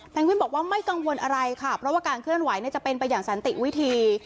วิ่งบอกว่าไม่กังวลอะไรค่ะเพราะว่าการเคลื่อนไหวจะเป็นไปอย่างสันติวิธี